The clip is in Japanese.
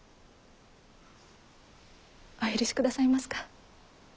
お許しくださいますか？